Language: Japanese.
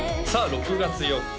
６月４日